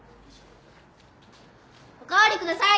おかわりください！